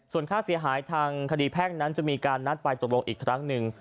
ส่วนค่าเสียหายทางคดีแพ่งนั้นจะมีการนัดไปตกลงอีกครั้งหนึ่ง